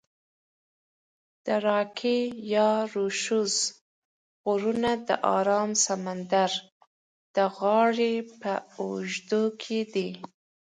د راکي یا روشوز غرونه د آرام سمندر د غاړي په اوږدو کې دي.